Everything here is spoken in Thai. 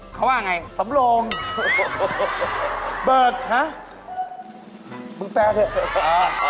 เขาว่าไงสำโลงเปิดฮะมึงแปลเถอะ